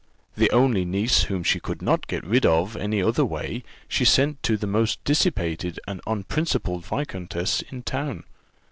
The only niece whom she could not get rid of any other way, she sent to the most dissipated and unprincipled viscountess in town.